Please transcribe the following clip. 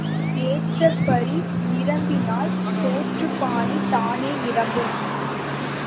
ஏற்றப் பறி நிரம்பினால் சோற்றுப் பானை தானே நிரம்பும்.